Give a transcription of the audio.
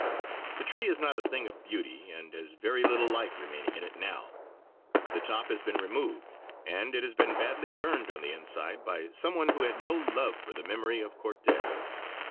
The tree is not a thing of beauty and has very little life remaining in it now; the top has been removed, and it has been badly burned on the inside by some one who had no love for the memory of Cortes.